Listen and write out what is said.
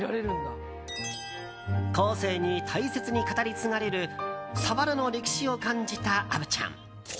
後世に大切に語り継がれる佐原の歴史を感じた虻ちゃん。